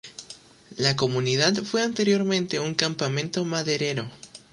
La comunidad fue anteriormente un campamento maderero.